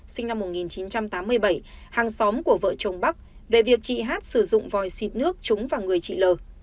sinh năm một nghìn chín trăm tám mươi bảy hàng xóm của vợ chồng bắc về việc chị hát sử dụng vòi xịt nước trúng vào người chị l